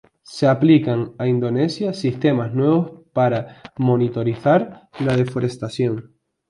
Se aplican a Indonesia sistemas nuevos para monitorizar la deforestación.